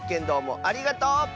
どうもありがとう！